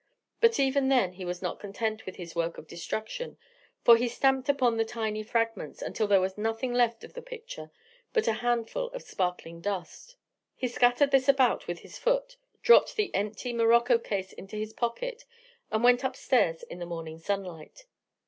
But even then he was not content with his work of destruction, for he stamped upon the tiny fragments until there was nothing left of the picture but a handful of sparkling dust. He scattered this about with his foot, dropped the empty morocco case into his pocket, and went up stairs in the morning sunlight.